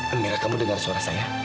ambillah kamu dengar suara saya